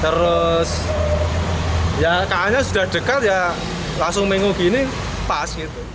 terus ya kayaknya sudah dekat ya langsung mengungkini pas gitu